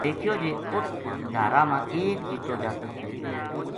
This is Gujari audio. دیکھیو جے اُت ڈھارا ما ایک جِتو جاتک دھریو